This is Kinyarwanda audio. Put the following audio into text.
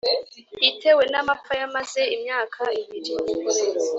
itewe n’amapfa yamaze imyaka ibiri.